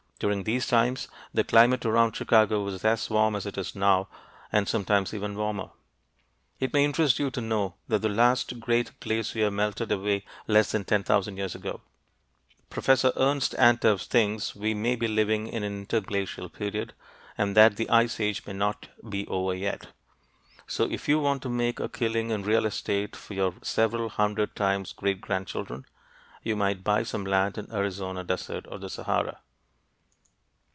During these times the climate around Chicago was as warm as it is now, and sometimes even warmer. It may interest you to know that the last great glacier melted away less than 10,000 years ago. Professor Ernst Antevs thinks we may be living in an interglacial period and that the Ice Age may not be over yet. So if you want to make a killing in real estate for your several hundred times great grandchildren, you might buy some land in the Arizona desert or the Sahara.